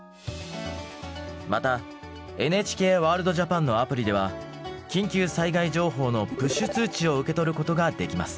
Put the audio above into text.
またＮＨＫワールドＪＡＰＡＮのアプリでは緊急災害情報のプッシュ通知を受け取ることができます。